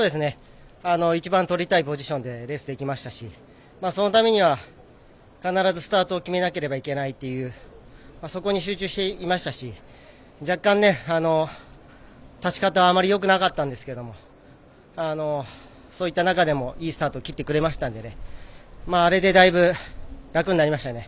一番とりたいポジションでレースできましたしそのためには必ずスタートを決めなければいけないというそこに集中していましたし若干、勝ち方はあまりよくなかったんですけどそういった中でもいいスタートを切ってくれましたのであれで、だいぶ楽になりましたね。